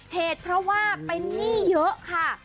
เหตุเพราะว่าเป็นหนี้เยอะค่ะ